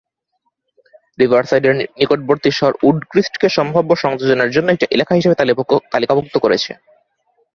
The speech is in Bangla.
রিভারসাইডের নিকটবর্তী শহর উডক্রিস্টকে সম্ভাব্য সংযোজনের জন্য একটি এলাকা হিসেবে তালিকাভুক্ত করেছে।